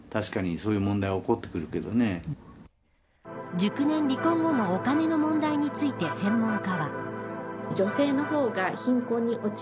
熟年離婚後のお金の問題について、専門家は。